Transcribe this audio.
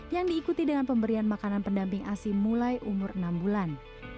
yang diikuti dengan pemberian makanan pendamping asi mulai umur enam bulan